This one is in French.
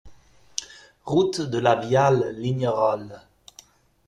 Route de la Viale, Lignerolles